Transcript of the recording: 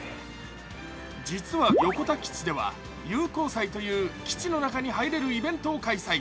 実は横田基地では友好祭という基地の中に入れるイベントを開催。